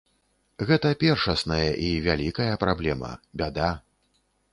Гэта першасная і вялікая праблема, бяда.